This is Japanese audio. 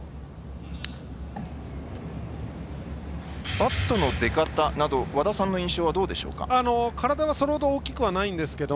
バットの出方など和田さんの印象はどうでしょうか。